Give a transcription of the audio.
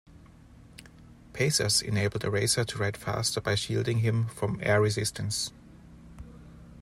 Pacers enabled a racer to ride faster by shielding him from air resistance.